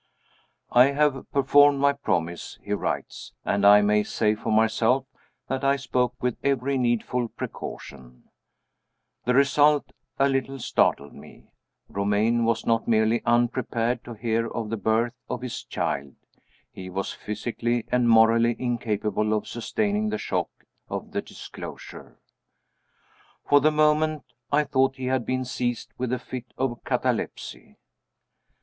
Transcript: "I have performed my promise," he writes "and I may say for myself that I spoke with every needful precaution. The result a little startled me. Romayne was not merely unprepared to hear of the birth of his child he was physically and morally incapable of sustaining the shock of the disclosure. For the moment, I thought he had been seized with a fit of catalepsy.